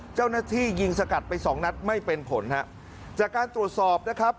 เจ้าหน้าที่ยิงสกัดไปสองนัดไม่เป็นผลฮะจากการตรวจสอบนะครับ